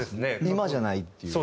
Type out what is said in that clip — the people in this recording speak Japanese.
今じゃないっていう。